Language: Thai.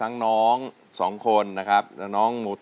เพื่อนรักไดเกิร์ต